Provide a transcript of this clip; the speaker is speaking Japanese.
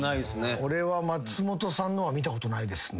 俺は松本さんのは見たことないですね。